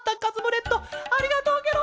レッドありがとうケロ！